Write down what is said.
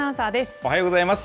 おはようございます。